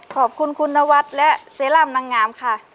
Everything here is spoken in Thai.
ขอบคุณคุณนวัดและเซรั่มนางงามค่ะ